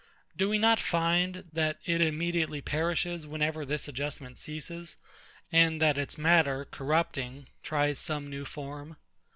Do we not find, that it immediately perishes whenever this adjustment ceases, and that its matter corrupting tries some new form?